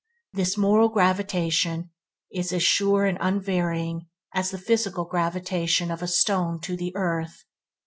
This moral gravitation is an sure and unvarying as the physical gravitation of a stone to the earth.